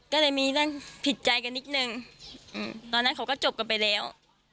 ก็เลยมีเรื่องผิดใจกันนิดนึงตอนนั้นเขาก็จบกันไปแล้ว